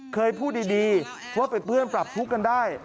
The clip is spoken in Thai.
เคยพูดดีว่าเป็นเพื่อนปรับทุกข์กันได้